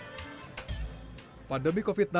tapi kalau tidak saya akan mencoba